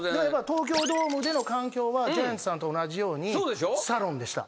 東京ドームでの環境はジャイアンツさんと同じようにサロンでした。